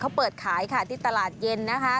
เขาเปิดขายค่ะที่ตลาดเย็นนะคะ